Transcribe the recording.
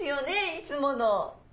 いつもの。